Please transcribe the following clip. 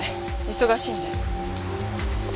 忙しいんで。